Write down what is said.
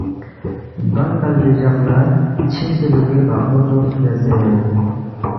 بل کلبی جق لا چھیبسے دوکپی بخفو ژوخ بیاسے